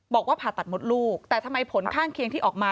ผ่าตัดมดลูกแต่ทำไมผลข้างเคียงที่ออกมา